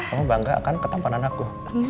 kamu bangga akan ketampanan aku